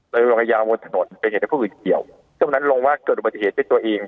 โรงพยาบาลบนถนนเป็นเหตุผู้อื่นเกี่ยวซึ่งตอนนั้นลงว่าเกิดอุบัติเหตุเพื่อตัวเอง